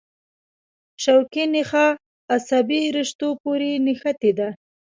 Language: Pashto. شوکي نخاع عصبي رشتو پورې نښتې ده.